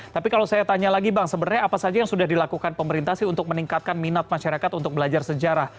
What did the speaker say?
tapi kalau saya tanya lagi bang sebenarnya apa saja yang sudah dilakukan pemerintah sih untuk meningkatkan minat masyarakat untuk belajar sejarah